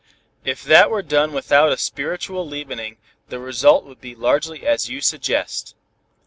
If that were done without a spiritual leavening, the result would be largely as you suggest."